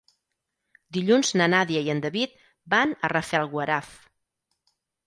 Dilluns na Nàdia i en David van a Rafelguaraf.